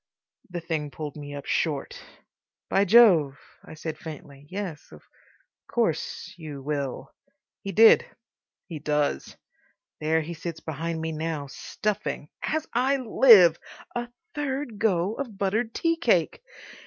The thing pulled me up short. "By Jove!" I said faintly. "Yes. Of course—you will." He did. He does. There he sits behind me now, stuffing—as I live!—a third go of buttered tea cake.